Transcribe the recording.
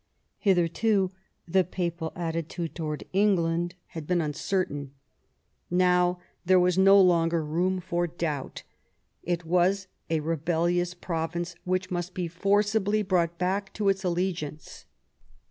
Hitherto the Papal attitude towards England had been uncertain. Now there was no longer room for doubt. It was a rebellious province which must be forcibly brought back to its allegiance.